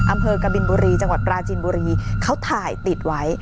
อำเภอกบินบุรีจังหวัดปราจินบุรีเขาถ่ายติดไว้